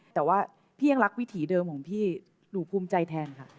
แต่ว่าพี่ยังรักวิถีเดิมของพี่หนูภูมิใจแทนค่ะ